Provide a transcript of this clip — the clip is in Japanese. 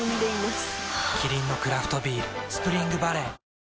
キリンのクラフトビール「スプリングバレー」